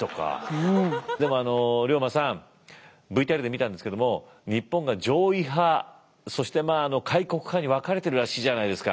でもあの龍馬さんＶＴＲで見たんですけども日本が攘夷派そして開国派に分かれてるらしいじゃないですか？